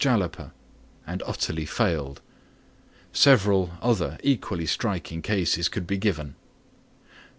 jalapa, and utterly failed. Several other equally striking cases could be given.